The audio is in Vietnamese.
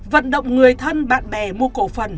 vận động người thân bạn bè mua cổ phần